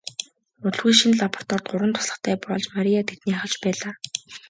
Удалгүй шинэ лабораторид гурван туслахтай болж Мария тэднийг ахалж байлаа.